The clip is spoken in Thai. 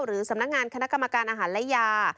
สำนักงานคณะกรรมการอาหารและยา